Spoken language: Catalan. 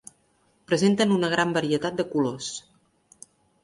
Presenten una gran varietat de colors.